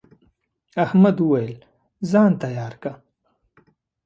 احمد وويل: ځان تیار که.